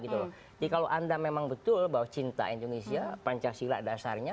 jadi kalau anda memang betul bahwa cinta indonesia pancasila dasarnya